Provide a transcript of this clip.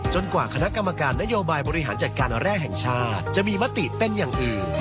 กว่าคณะกรรมการนโยบายบริหารจัดการแรกแห่งชาติจะมีมติเป็นอย่างอื่น